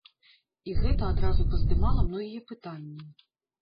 І гэта адразу паздымала многія пытанні.